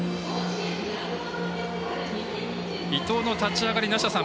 伊藤の立ち上がり、梨田さん